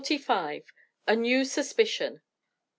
A NEW SUSPICION.